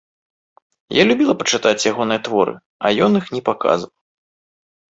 Я любіла пачытаць ягоныя творы, а ён іх не паказваў.